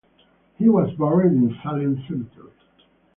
He was buried in Salem Cemetery.